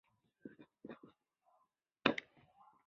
三百峰国家公园是一座位于泰国班武里府的国家海洋公园。